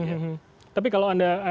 ya tapi kalau anda